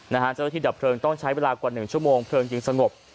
เจ้าหน้าที่ดับเพลิงต้องใช้เวลากว่า๑ชั่วโมงเพลิงจึงสงบ